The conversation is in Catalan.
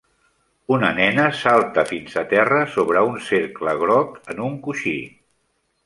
Una nena salta fins a terra sobre un cercle groc en un coixí.